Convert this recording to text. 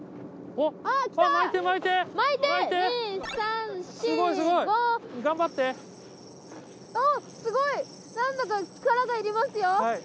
おっすごいなんだか力がいりますよ。